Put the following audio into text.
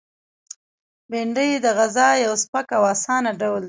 بېنډۍ د غذا یو سپک او آسانه ډول دی